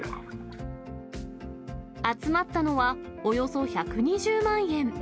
集まったのはおよそ１２０万円。